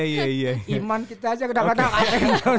iman kita aja kadang kadang up and down